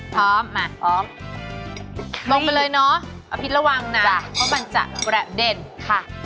พร้อมมาพร้อมลงไปเลยเนาะอภิษระวังนะเพราะมันจะประเด็นค่ะ